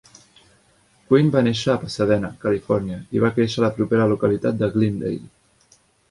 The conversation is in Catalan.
Quinn va néixer a Pasadena (Califòrnia) i va créixer a la propera localitat de Glendale.